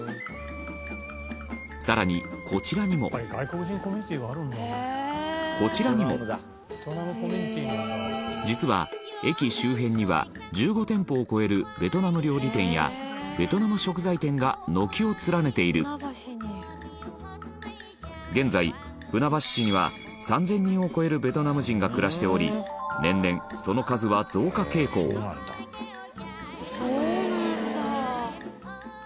更に、こちらにもこちらにも実は、駅周辺には１５店舗を超えるベトナム料理店やベトナム食材店が軒を連ねている現在、船橋市には３０００人を超えるベトナム人が暮らしており年々、その数は増加傾向そうなんだ。